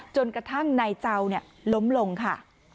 จนกระทั่งนายเจ้าล้มลงค่ะ